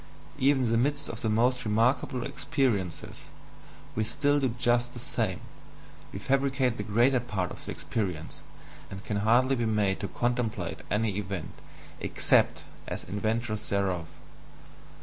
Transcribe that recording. Even in the midst of the most remarkable experiences, we still do just the same; we fabricate the greater part of the experience, and can hardly be made to contemplate any event, EXCEPT as "inventors" thereof.